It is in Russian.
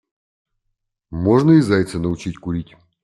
Можно и зайца научить курить.